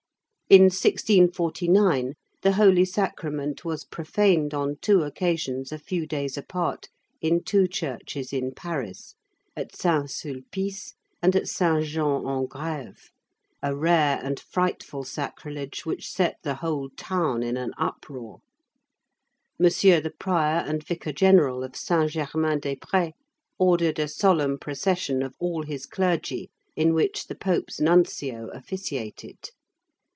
In 1649 the holy sacrament was profaned on two occasions a few days apart, in two churches in Paris, at Saint Sulpice and at Saint Jean en Grève, a rare and frightful sacrilege which set the whole town in an uproar. M. the Prior and Vicar General of Saint Germain des Prés ordered a solemn procession of all his clergy, in which the Pope's Nuncio officiated.